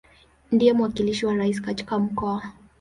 Ndiye mwakilishi wa Rais katika Mkoa.